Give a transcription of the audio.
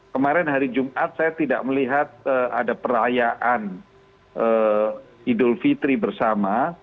kemarin hari jumat saya tidak melihat ada perayaan idul fitri bersama